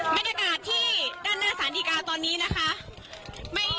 บริษัทที่ด้านหน้าสถานดิกาตอนนี้นะคะ